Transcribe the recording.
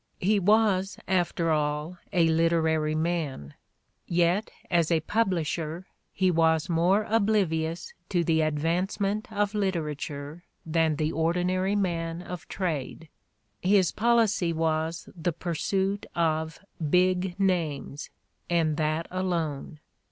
He was, after all, a literary man; yet as a publisher he was more oblivious to the advancement of literature than the ordinary man of the trade. His policy was the pursuit of "big" names, and that alone.